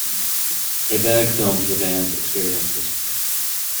Abegg filmed the band's experiences.